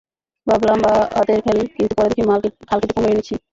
ভাবলাম বা হাতের খেল কিন্তু পরে দেখি খাল কেটে কুমির এনেছি।